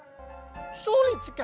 sangatlah sulit jak